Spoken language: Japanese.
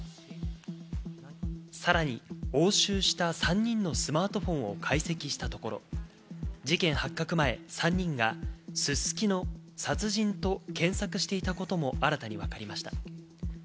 さらに押収した３人のスマートフォンを解析したところ、事件発覚前、３人が「すすきの殺人」と検索していたことも新たにわかりました。